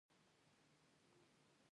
یاقوت د افغان ښځو په ژوند کې رول لري.